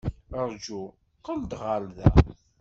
Ṛju. Qqel-d ɣer da.